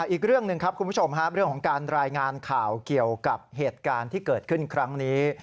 อีกเรื่องหนึ่งครับคุณผู้ชมเรื่องของการรายงานข่าวเกี่ยวกับเหตุการณ์ที่เกิดขึ้นครั้งนี้